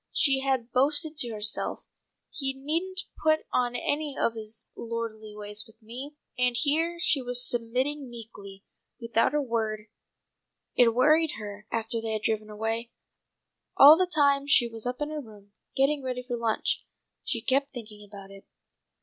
She had boasted to herself, "He needn't put on any of his lordly ways with me!" and here she was submitting meekly, without a word. It worried her after they had driven away. All the time she was up in her room, getting ready for lunch, she kept thinking about it.